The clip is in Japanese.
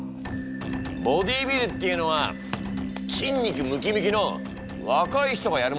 ボディービルっていうのは筋肉ムキムキの若い人がやるもんだ。